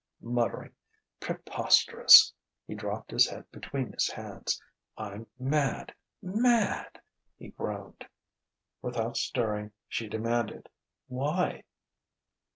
Muttering "Preposterous!" he dropped his head between his hands. "I'm mad mad!" he groaned. Without stirring, she demanded: "Why?"